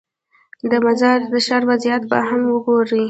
د مزار د ښار وضعیت به هم وګورې.